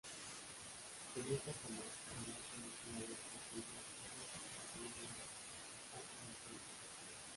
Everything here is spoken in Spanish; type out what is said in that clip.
En esta comarca la más conocida de estas villas rústicas se halla en Aguilafuente.